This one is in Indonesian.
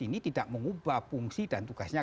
ini tidak mengubah fungsi dan tugasnya